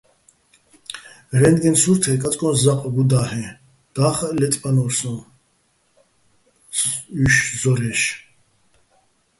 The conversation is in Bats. რენდგენ სურთე კაწკო́ჼ ზაყ გუდა́ლ'ეჼ, და́ხაჸ ლაწბანო́რ სოჼ უჲში̆ ზორა́ჲში̆.